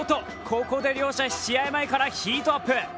ここで、両者試合前からヒートアップ。